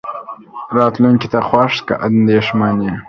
راتلونکې ته خوښ که اندېښمن يې.